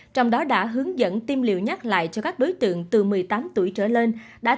trong đó đã hướng dẫn tiêm liều nhắc lại cho các đối tượng từ một mươi tám tuổi trở lên